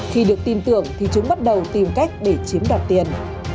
khi được tin tưởng thì chúng bắt đầu tìm cách để chiếm đoạt tiền